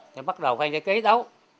thì bắt đầu phan giấy ký đấu